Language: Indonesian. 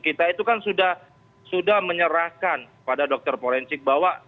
kita itu kan sudah menyerahkan pada dokter forensik bahwa